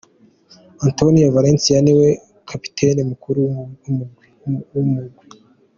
Antonio Valencia niwe kapitene mukuru w'umugwi.